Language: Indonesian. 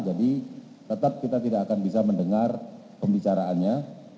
jadi tetap kita tidak akan bisa mendengar pembicaraannya